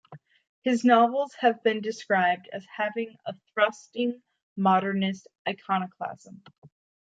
His novels have been described as having a thrusting modernist iconoclasm.